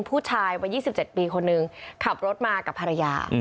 ผู้ชายวัย๒๗ปีคนนึงขับรถมากับภรรยา